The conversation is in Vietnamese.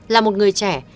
là một người trẻ